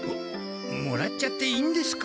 もらっちゃっていいんですか？